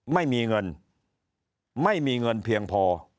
ไม่มีเงินไม่มีเงินเพียงพอ